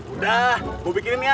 udah gua bikinin ya